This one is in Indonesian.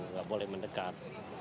nggak boleh mendekat